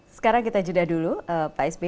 sekarang kita jeda dulu pak s b